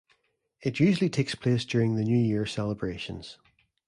It usually takes place during the New Year celebrations.